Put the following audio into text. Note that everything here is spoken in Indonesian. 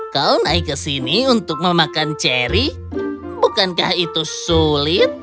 kau naik ke sini untuk memakan cherry bukankah itu sulit